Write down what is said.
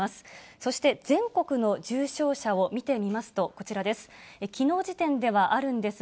そして全国の重症者を見てみますと、こちらです。